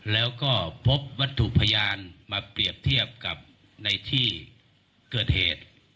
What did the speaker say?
แล้วก็พบวัตถุพยานมาเปรียบเทียบกับในที่เกิดเหตุ